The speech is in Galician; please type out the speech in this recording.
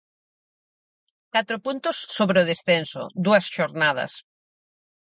Catro puntos sobre o descenso, dúas xornadas.